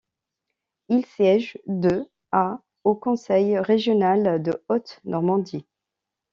Il siège de à au conseil régional de Haute-Normandie.